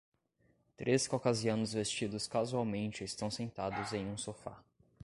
Três caucasianos vestidos casualmente estão sentados em um sofá.